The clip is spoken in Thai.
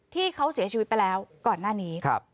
ที่เขาเสียชีวิตไปแล้วก่อนหน้านี้